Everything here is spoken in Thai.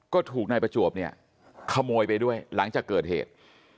ก็ถูกนายประจวบเนี่ยขโมยไปด้วยหลังจากเกิดเหตุ